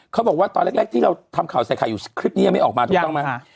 เขาบอกว่าตอนแรกที่เราทำข่าวใส่ข่ายอยู่คลิปนี้ไม่ออกมา